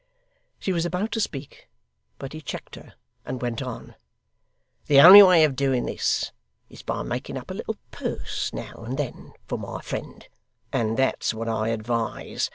She was about to speak, but he checked her, and went on. 'The only way of doing this, is by making up a little purse now and then for my friend; and that's what I advise.